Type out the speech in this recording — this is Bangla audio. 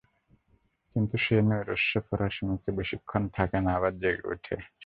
কিন্তু সে নৈরাশ্য ফরাসী মুখে বেশীক্ষণ থাকে না, আবার জেগে ওঠে।